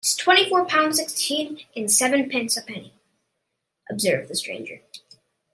"It's twenty-four pounds, sixteen, and sevenpence ha'penny," observed the stranger.